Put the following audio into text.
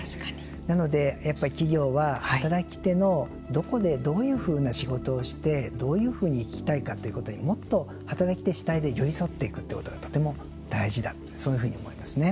なので、やっぱり企業は働き手のどこでどういうふうな仕事をしてどういうふうに生きたいかということにもっと働き手主体で寄り添っていくということがとても大事だそういうふうに思いますね。